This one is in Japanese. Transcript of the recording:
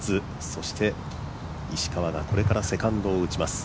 そして石川がこれからセカンドを打ちます。